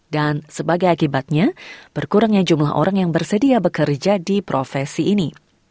dan sebagai akibatnya berkurangnya jumlah orang yang bersedia bekerja di profesi ini